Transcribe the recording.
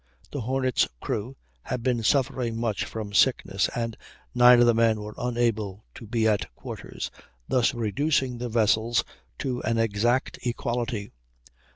The Hornet's crew had been suffering much from sickness, and 9 of the men were unable to be at quarters, thus reducing the vessels to an exact equality.